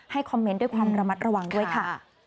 คอมเมนต์ด้วยความระมัดระวังด้วยค่ะ